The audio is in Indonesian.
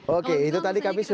oke itu tadi kami